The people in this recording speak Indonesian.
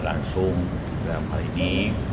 langsung dalam hal ini